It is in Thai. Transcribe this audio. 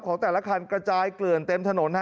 ของแต่ละคันกระจายเกลื่อนเต็มถนน